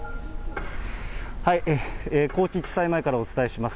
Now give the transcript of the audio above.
高知地裁前からお伝えします。